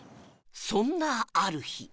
そんなある日